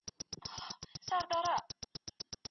ولي زده کوونکي ډیجیټلي مهارتونه زده کوي؟